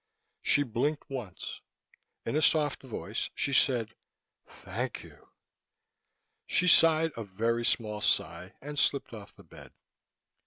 She blinked once. In a soft voice, she said, "Thank you." She sighed a very small sigh and slipped off the bed.